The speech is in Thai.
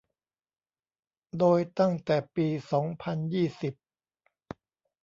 โดยตั้งแต่ปี สองพันยี่สิบ